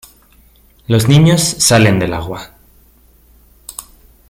Los niños salen del agua.